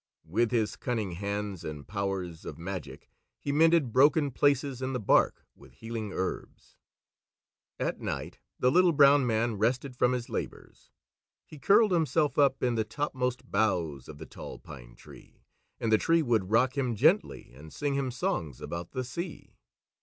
With his cunning hands and powers of magic he mended broken places in the bark with healing herbs. At night the Little Brown Man rested from his labors. He curled himself up in the topmost boughs of the Tall Pine Tree, and the tree would rock him gently and sing him songs about the sea.